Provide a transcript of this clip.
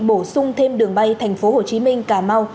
bổ sung thêm đường bay thành phố hồ chí minh cà mau